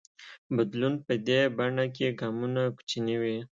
بدلون په دې بڼه کې ګامونه کوچني وي.